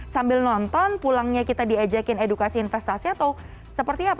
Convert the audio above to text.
sambil nonton pulangnya kita diajakin edukasi investasi atau seperti apa